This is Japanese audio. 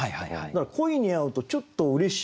だから鯉に会うとちょっとうれしい。